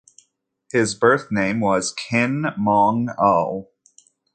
His birth name was Khin Maung Oo.